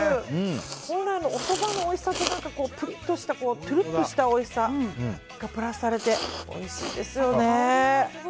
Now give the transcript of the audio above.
本来のおそばのおいしさとトゥルっとしたおいしさがプラスされておいしいですよね。